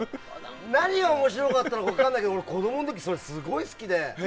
何が面白かったのか分かんないけど子供の時それすごい好きで。